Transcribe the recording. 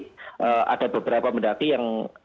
jadi ada beberapa medaki yang